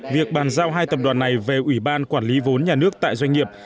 việc bàn giao hai tập đoàn này về ủy ban quản lý vốn nhà nước tại doanh nghiệp